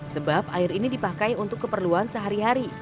sebab air ini dipakai untuk keperluan sehari hari